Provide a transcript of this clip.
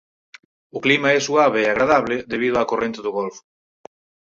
O clima é suave e agradable debido á Corrente do Golfo.